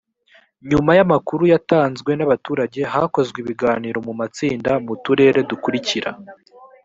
nyuma y amakuru yatanzwe n abaturage hakozwe ibiganiro mu matsinda mu turere dukurikira